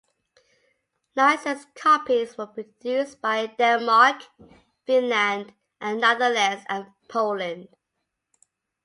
Licensed copies were produced in Denmark, Finland, the Netherlands and Poland.